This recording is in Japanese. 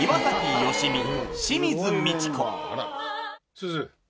すず。